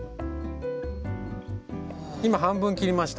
今半分切りました。